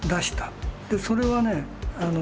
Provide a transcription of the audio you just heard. でそれはね